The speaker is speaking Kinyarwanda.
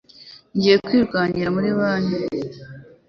Ngiye kwirukira kuri banki